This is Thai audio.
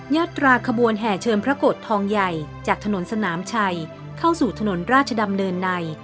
ยาตราขบวนแห่เชิญพระโกรธทองใหญ่จากถนนสนามชัยเข้าสู่ถนนราชดำเนินใน